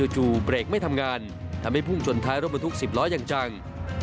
เบรกไม่ทำงานทำให้พุ่งชนท้ายรถบรรทุก๑๐ล้ออย่างจัง